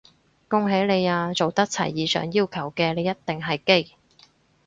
恭喜你啊，做得齊以上要求嘅你一定係基！